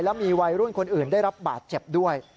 แล้วมีวัยรุ่นคนอื่นได้รับบาดเจ็บด้วย